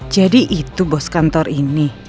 jadi itu bos kantor ini